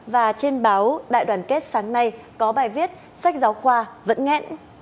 và trên báo đại đoàn kết sáng nay có bài viết sách giáo khoa vẫn nghẹn